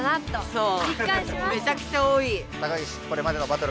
そう！